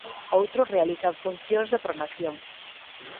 Outros realizan funcións de pronación.